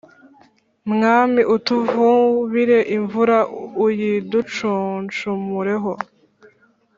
Mwami utuvubire imvura uyiducuncumureho